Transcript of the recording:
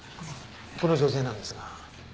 この女性なんですが。